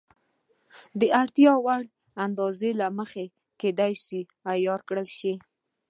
د اړتیا وړ اندازې له مخې کېدای شي عیار کړای شي.